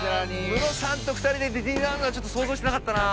ムロさんと２人でディズニーランドはちょっと想像してなかったな。